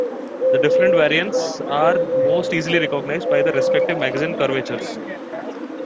The different variants are most easily recognized by their respective magazine curvatures.